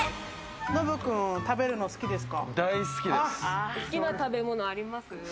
ノブくん、食べるの好きですか？